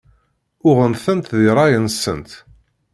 Uɣen-tent di rray-nsen.